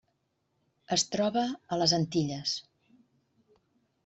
Es troba a les Antilles: